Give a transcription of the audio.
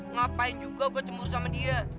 ngapain juga gua cemburu sama dia